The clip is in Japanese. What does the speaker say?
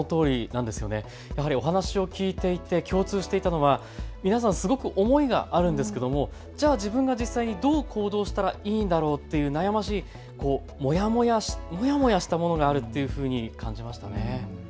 お話を聞いていて共通していたのは皆さん、すごく思いはあるんですけれども自分が実際にどう行動にしたらいいんだろうという、もやもやしたものがあるというふうに感じましたね。